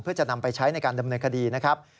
เพื่อจะนำไปใช้ในการดำเนินคดีนะครับ